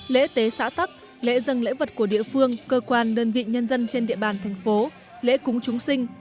lễ tế xã tắc lễ dân lễ vật của địa phương cơ quan đơn vị nhân dân trên địa bàn thành phố lễ cúng chúng sinh